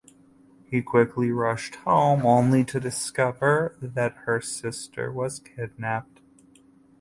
He quickly rushed home only to discover that her sister was kidnapped.